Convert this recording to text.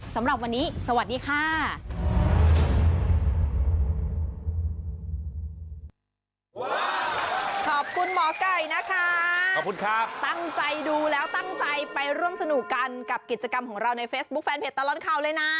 สำหรับวันนี้สวัสดีค่ะ